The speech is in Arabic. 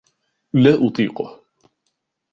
لا أطيقه.